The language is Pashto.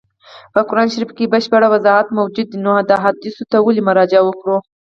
په قرآن شریف کي بشپړ وضاحت موجود دی نو احادیثو ته ولي مراجعه وکړو.